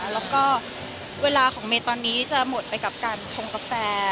แล้วก็เวลาของเมย์ตอนนี้จะหมดไปกับการชงกาแฟ